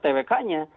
tidak ada twk nya